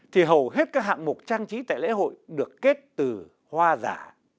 thì hầu hết các hạng mục trang trí tại lễ hội được kết từ hoa giả